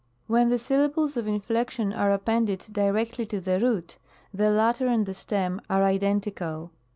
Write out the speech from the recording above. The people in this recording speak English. When the syllables of inflection are appended directly to the root, the latter and the stem are identical.